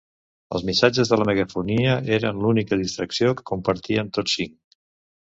Els missatges de la megafonia eren l'única distracció que compartien tots cinc.